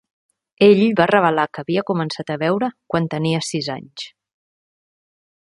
Ell va revelar que havia començat a beure quan tenia sis anys.